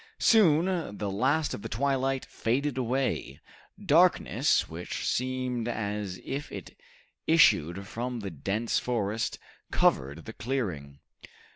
Soon the last of the twilight faded away. Darkness, which seemed as if it issued from the dense forest, covered the clearing.